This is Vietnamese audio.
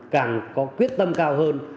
càng có quyết tâm cao hơn